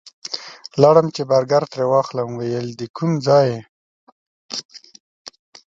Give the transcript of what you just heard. لاړم چې برګر ترې واخلم ویل یې د کوم ځای یې؟